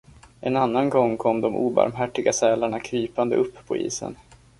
En annan gång kom de obarmhärtiga sälarna krypande upp på isen.